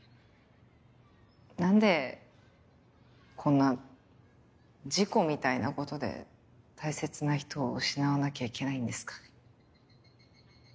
何でこんな事故みたいなことで大切な人を失わなきゃいけないんですかね。